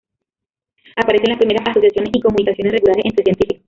Aparecen las primeras asociaciones y comunicaciones regulares entre científicos.